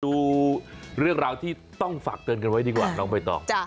ดูเรื่องราวที่ต้องฝากเตือนกันไว้ดีกว่าน้องใบตอง